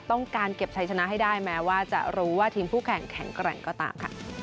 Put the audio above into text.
ต้องการเก็บชัยชนะให้ได้แม้ว่าจะรู้ว่าทีมคู่แข่งแข็งแกร่งก็ตามค่ะ